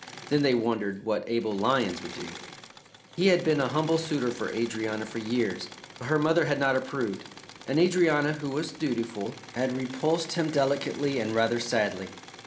Then they wondered what Abel Lyons would do. He had been a humble suitor for Adrianna for years, but her mother had not approved, and Adrianna, who was dutiful, had repulsed him delicately and rather sadly.